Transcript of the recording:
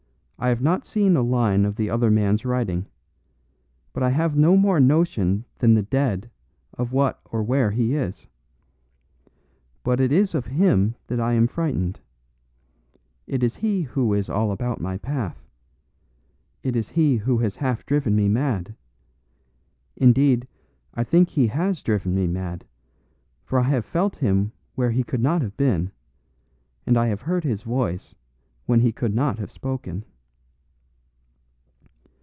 I have not seen a line of the other man's writing; and I have no more notion than the dead of what or where he is. But it is of him that I am frightened. It is he who is all about my path. It is he who has half driven me mad. Indeed, I think he has driven me mad; for I have felt him where he could not have been, and I have heard his voice when he could not have spoken."